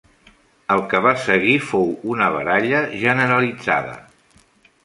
El que va seguir fou una baralla generalitzada.